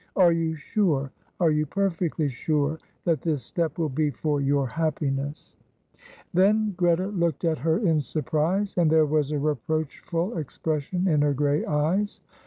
Are you sure, are you perfectly sure, that this step will be for your happiness " Then Greta looked at her in surprise, and there was a reproachful expression in her grey eyes.